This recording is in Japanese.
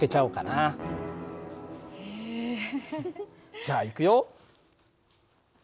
じゃあいくよ。